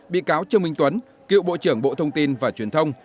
bị cáo trương minh tuấn cựu bộ trưởng bộ thông tin và truyền thông